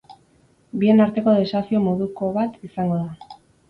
Bien arteko desafio moduko bat izango da.